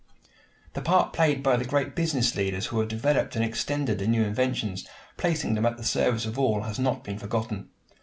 The part played by the great business leaders who have developed and extended the new inventions, placing them at the service of all, has not been forgotten.